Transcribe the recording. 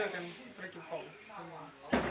อาหารที่เรียกว่ากลุ่มก็เป็นพื้นที่